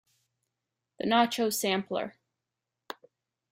The Nacho Sampler.